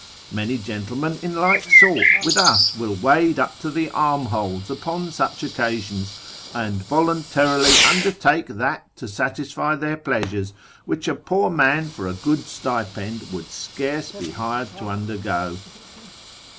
Many gentlemen in like sort with us will wade up to the arm holes upon such occasions, and voluntarily undertake that to satisfy their pleasures, which a poor man for a good stipend would scarce be hired to undergo.